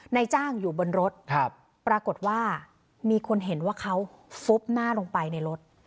นายจ้างอยู่บนรถปรากฏว่ามีคนเห็นว่าเขาฟุบหน้าลงไปในรถ